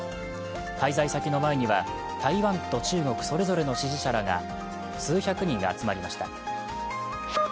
滞在先の前には、台湾と中国それぞれの支持者ら数百人が集まりました。